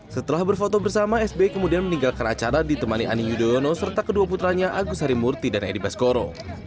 setelah berfoto bersama sbi kemudian meninggalkan acara ditemani ani yudhoyono serta kedua putranya agus harimurti dan edi baskoro